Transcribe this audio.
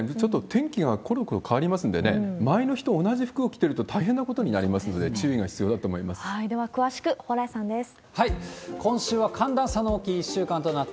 天気がころころ変わりますんでね、前の日と同じ服を着てると大変なことになりますので、注意が必要では詳しく、蓬莱さんです。